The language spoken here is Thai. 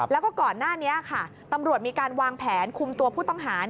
แล้วก็ก่อนหน้านี้ค่ะตำรวจมีการวางแผนคุมตัวผู้ต้องหา